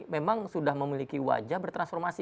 memang sudah memiliki wajah bertransformasi